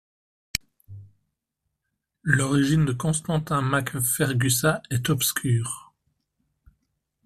L'origine de Constantin mac Fergusa est obscure.